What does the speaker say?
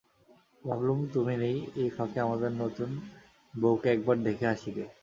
ভাবলুম তুমি নেই এই ফাঁকে আমাদের নতুন বউকে একবার দেখে আসি গে।